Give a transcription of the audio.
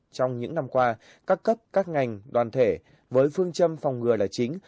trong những năm qua các cấp các ngành đoàn thể với phương châm phòng ngừa là chính